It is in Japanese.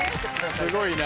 すごいな。